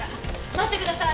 待ってください。